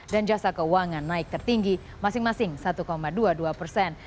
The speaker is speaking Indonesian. dan jasa keuangan naik tertinggi masing masing satu dua puluh dua persen